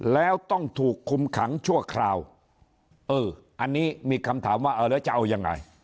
แล้วต้องถูกคุมขังชั่วคราวเอออันนี้มีคำถามว่าเออแล้วจะเอายังไง